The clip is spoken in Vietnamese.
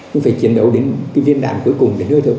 nó phải chiến đấu đến cái viên đạn cuối cùng đến nơi thôi